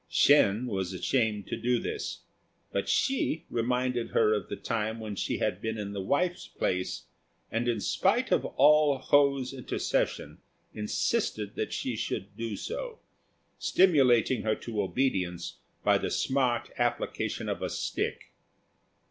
Shên was ashamed to do this: but Hsi reminded her of the time when she had been in the wife's place, and in spite of all Ho's intercession insisted that she should do so, stimulating her to obedience by the smart application of a stick.